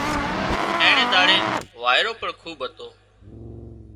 اينڻي ۮاڙئي وائيرو پڻ خوٻ هتو